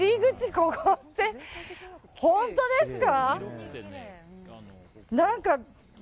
ここって本当ですか？